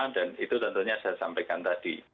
dan itu tentunya saya sampaikan tadi